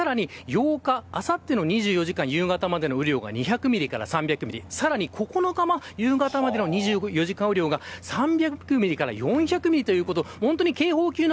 さらに８日、あさっての２４時間夕方までの雨量が２００ミリから３００ミリさらに９日の夕方までの２４時間雨量が３００ミリから４００ミリということ。